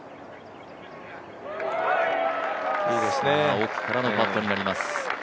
奥からのパットになります。